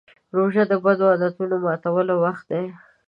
روژه د بدو عادتونو ماتولو وخت دی.